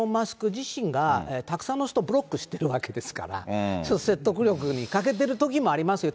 自身がたくさんの人、ブロックしてるわけですから、ちょっと説得力に欠けてるときもありますよ。